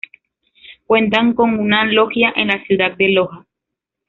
Cuentan con una Logia en la ciudad de Loja.